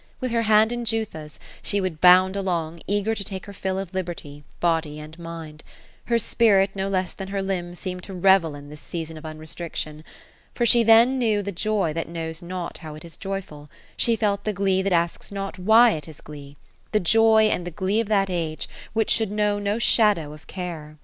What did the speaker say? With her hand in Jutha's, she would bound along, eager to take her fill of liberty, body and mind. Her spirit, no less than her limbs, seemed to revel in this season of unrestriction. For she then knew the joy that knows not how it is joyful ; she felt the glee that asks not why it is glee, — the joy and the glee of that age which should know no shadow of care.